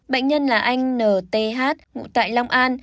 bệnh nhân là anh n t h ngụ tại long an